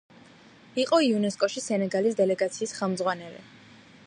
იყო იუნესკოში სენეგალის დელეგაციის ხელმძღვანელი.